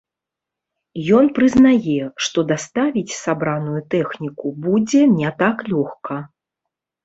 Ён прызнае, што даставіць сабраную тэхніку будзе не так лёгка.